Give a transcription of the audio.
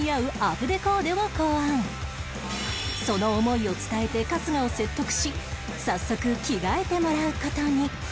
その思いを伝えて春日を説得し早速着替えてもらう事に